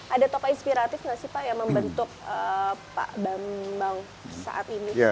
ada tokoh inspiratif gak sih pak yang membentuk